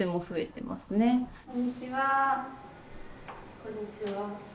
こんにちは。